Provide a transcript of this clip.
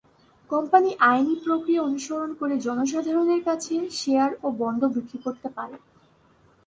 Company আইনি প্রক্রিয়া অনুসরণ করে জনসাধারণের কাছে শেয়ার ও বন্ড বিক্রি করতে পারে।